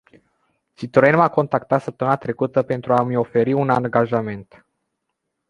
Citroen m-a contactat săptămâna trecută pentru a îmi oferi un angajament.